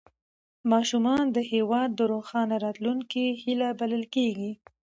ماشومان د هېواد د روښانه راتلونکي هیله بلل کېږي